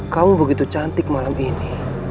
kamu begitu cantik malam ini